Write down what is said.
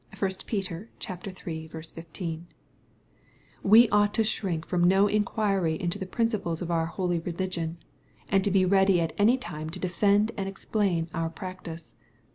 (1 Peter iii. 15.)\ We ought to shrink from no inquiry into the principUs of our holy religion, and to be ready at any time to defend and explain our practice.